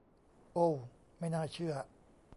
โอว ไม่น่าเชื่อ !